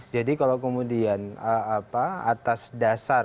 jadi kalau kemudian apa atas dasar